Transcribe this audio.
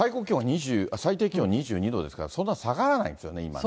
最低気温２２度ですから、そんな下がらないんですよね、今ね。